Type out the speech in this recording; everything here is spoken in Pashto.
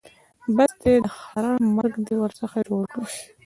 بس دی؛ د خره مرګ دې ورڅخه جوړ کړ.